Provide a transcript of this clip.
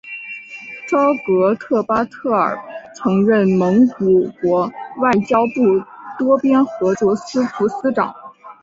朝格特巴特尔曾任蒙古国外交部多边合作司副司长。